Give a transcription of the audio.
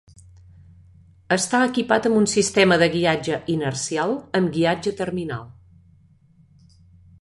Està equipat amb un sistema de guiatge inercial amb guiatge terminal.